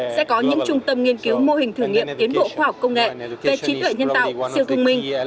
sẽ có những trung tâm nghiên cứu mô hình thử nghiệm tiến bộ khoa học công nghệ về trí tuệ nhân tạo siêu thông minh